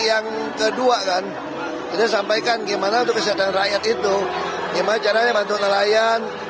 yang kedua kan kita sampaikan gimana untuk kesehatan rakyat itu gimana caranya bantu nelayan